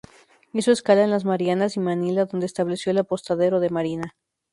Hizo escala en las Marianas y Manila, donde estableció el Apostadero de Marina.